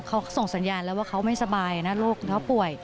เขาส่งสัญญาณแล้วว่าเขาไม่สบายนะโรคเขาป่วย